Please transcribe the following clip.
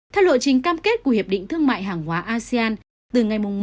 theo lộ trình cam kết của hiệp định thương mại hàng hóa asean từ ngày một tháng một năm hai nghìn hai mươi